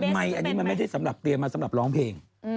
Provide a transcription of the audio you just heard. อันนี้มันไม่ได้สำหรับเตรียมมาสำหรับร้องเพลง